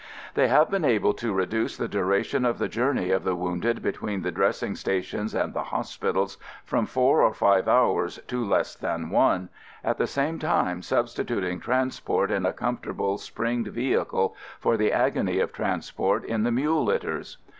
They have been able to reduce the duration of the journey of the wounded between the dressing sta tions and the hospitals from four or five hours to less than one, at the same time substituting transport in a comfortable springed vehicle for the agony of transport in the mule litters.